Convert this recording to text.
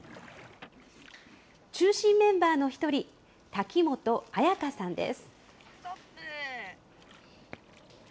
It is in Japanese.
中心メンバーの一人、滝本彩佳さんです。